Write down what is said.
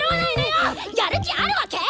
やる気あるわけ！？